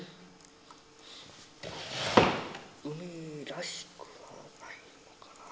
海らしくはないかなぁ。